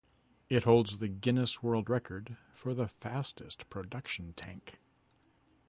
It holds the Guinness world record for the fastest production tank.